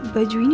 bukan dari andi